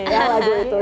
ya lagu itu